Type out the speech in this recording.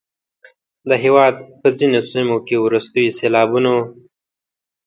د هیواد په ځینو سیمو کې وروستیو سیلابونو